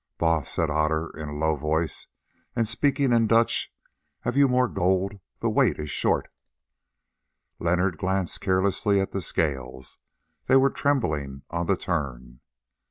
"Baas," said Otter in a low voice, and speaking in Dutch, "have you more gold? The weight is short." Leonard glanced carelessly at the scales: they were trembling on the turn.